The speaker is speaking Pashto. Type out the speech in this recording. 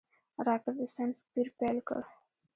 راکټ د ساینس پېر پيل کړ